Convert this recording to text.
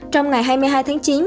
trong ngày hai mươi hai tháng chín